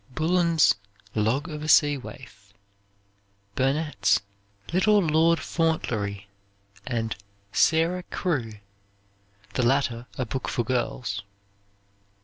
Bullen's "Log of a Sea Waif." Burnett's "Little Lord Fauntleroy," and "Sara Crewe," the latter a book for girls.